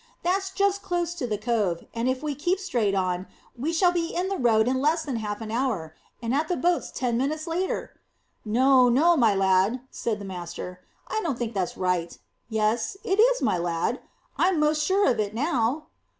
"That's just close to the cove, and if we keep straight on, we shall be in the road in less than half an hour, and at the boats ten minutes later." "No, no, my lad," said the master; "I don't think that's right. Yes, it is, my lad; I'm 'most sure of it now."